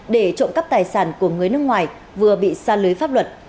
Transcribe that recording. để trộm cấp tài sản của người nước ngoài vừa bị sa lưới pháp luật